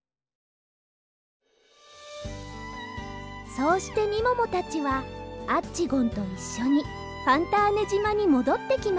そうしてみももたちはアッチゴンといっしょにファンターネじまにもどってきました。